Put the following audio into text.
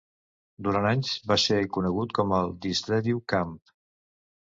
Durant anys va ser conegut com el Thistledew Camp.